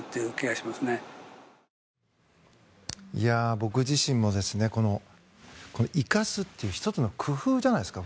僕自身も、生かすっていう１つの工夫じゃないですか。